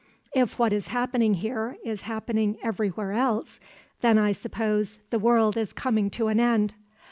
If what is happening here is happening everywhere else, then I suppose, the world is coming to an end.